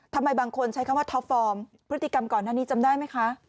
ทำไมบางคนใช้คำว่าท็อปฟอร์มพฤติกรรมก่อนหน้านี้จำได้ไหมคะ